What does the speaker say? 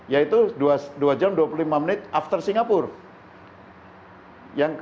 yaitu dua jam dua puluh lima menit after singapura